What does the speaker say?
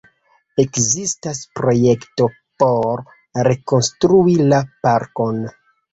Ekzistas projekto por rekonstrui la parkon.